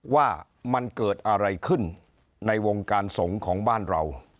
ว่ามันเกิดอะไรขึ้นในวงการสงฆ์ของบ้านเรา